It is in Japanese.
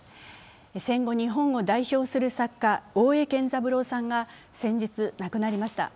戦後日本を代表する作家・大江健三郎さんが先日亡くなりました。